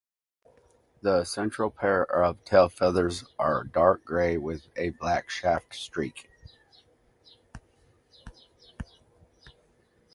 The central pair of tail feathers are dark grey with a black shaft streak.